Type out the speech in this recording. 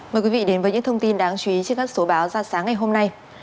mời quý vị đến với những thông tin đáng chú ý trên các số báo ra sáng ngày hôm nay